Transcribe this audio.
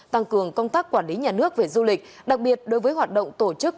tăng cường công tác quản lý nhà nước về du lịch đặc biệt đối với hoạt động tổ chức